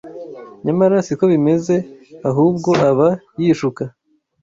Nyamara si ko bimeze; ahubwo aba yishuka